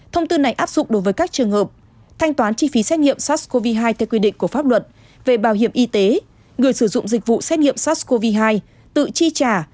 thông tư này áp dụng đối với các trường hợp thanh toán chi phí xét nghiệm sars cov hai theo quy định của pháp luật về bảo hiểm y tế người sử dụng dịch vụ xét nghiệm sars cov hai tự chi trả